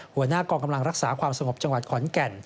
หัวหน้ากองกำลังรักษาความสงบจังหวัดขอนแก่น